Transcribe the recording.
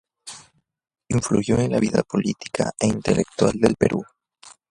Influyó en la vida política e intelectual del Perú.